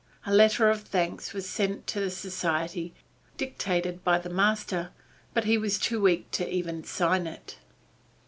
A letter of thanks was sent to the Society, dictated by the master, but he was too weak even to sign it.